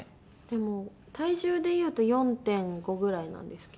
でも体重でいうと４．５ぐらいなんですけど。